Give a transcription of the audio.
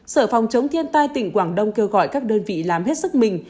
sở phòng chống thiên tai tỉnh quảng đông kêu gọi các đơn vị làm hết sức mình